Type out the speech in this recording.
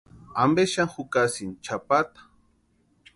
¿Ampe xani jukasïni chʼapata?